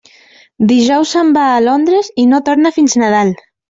Dijous se'n va a Londres i no torna fins Nadal.